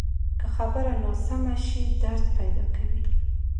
که خبره ناسمه شي، درد پیدا کوي